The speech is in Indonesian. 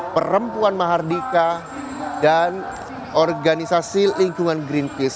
perempuan mahardika dan organisasi lingkungan greenpeace